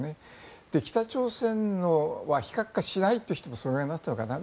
北朝鮮は非核化しないという人もそれくらいになったのかな？